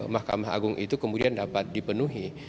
mahkamah agung itu kemudian dapat dipenuhi